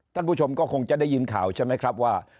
ท่านผู้ชมก็คงจะได้ยินข่าวใช่ไหมครับว่า